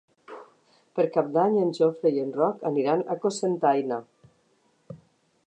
Per Cap d'Any en Jofre i en Roc aniran a Cocentaina.